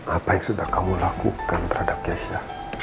apa yang sudah kamu lakukan terhadap yesha